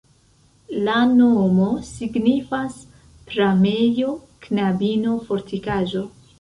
La nomo signifas: pramejo-knabino-fortikaĵo.